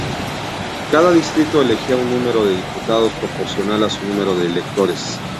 Cada distrito elegía un número de diputados proporcional a su número de electores.